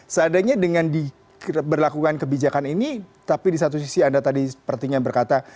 seadanya dengan diberlakukan kebijakan ini tapi di satu sisi anda tadi sepertinya berkata